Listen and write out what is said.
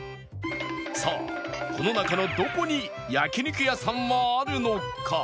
さあこの中のどこに焼肉屋さんはあるのか？